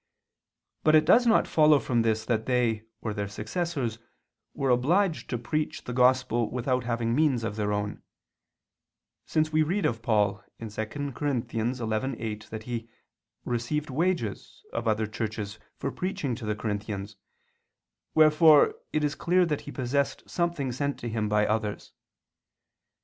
But it does not follow from this that they, or their successors, were obliged to preach the Gospel without having means of their own: since we read of Paul (2 Cor. 11:8) that he "received wages" of other churches for preaching to the Corinthians, wherefore it is clear that he possessed something sent to him by others.